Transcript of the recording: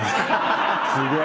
すげえ。